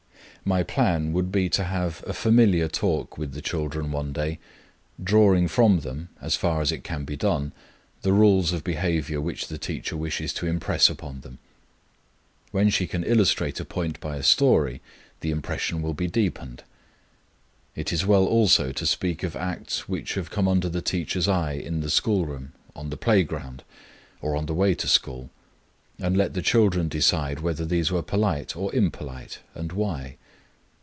My plan would be to have a familiar talk with the children one day, drawing from them, as far as it can be done, the rules of behavior which the teacher wishes to impress upon them. When she can illustrate a point by a story, the impression will be deepened. It is well also to speak of acts which have come under the teacher's eye in the school room, on the play ground, or on the way to school, and let the children decide whether these were polite or impolite, and why.